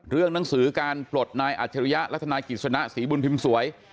หนังสือการปลดนายอัจฉริยะและทนายกิจสนะศรีบุญพิมพ์สวย